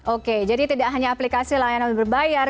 oke jadi tidak hanya aplikasi layanan berbayar